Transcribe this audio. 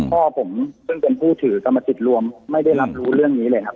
พ่อผมซึ่งเป็นผู้ถือกรรมสิทธิ์รวมไม่ได้รับรู้เรื่องนี้เลยครับ